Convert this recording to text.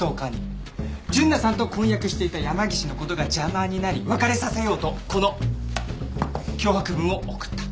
純奈さんと婚約していた山岸の事が邪魔になり別れさせようとこの脅迫文を送った。